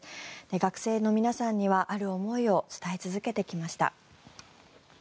学生の皆さんにはある思いを伝え続けてきました。